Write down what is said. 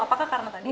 apakah karena tadi